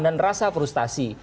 dan rasa frustasi